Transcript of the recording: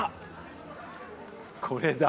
これだ！